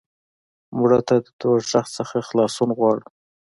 مړه ته د دوزخ نه خلاصون غواړو